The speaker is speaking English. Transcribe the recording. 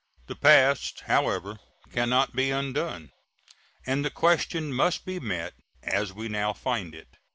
The past, however, can not be undone, and the question must be met as we now find it.